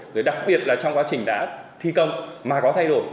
rồi đặc biệt là trong quá trình đã thi công mà có thay đổi